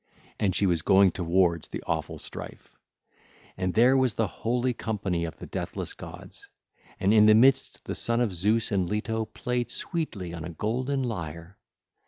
And she was going towards the awful strife. (ll. 201 206) And there was the holy company of the deathless gods: and in the midst the son of Zeus and Leto played sweetly on a golden lyre.